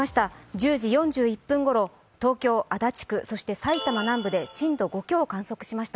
１０時４１分ごろ、東京・足立区、そして埼玉南部で震度５強を観測しました。